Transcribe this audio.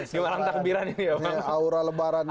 di malam takbiran ini ya bang